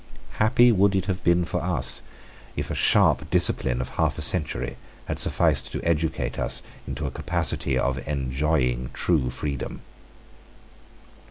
Happy would it have been for us if a sharp discipline of half a century had sufficed to educate us into a capacity of enjoying true freedom.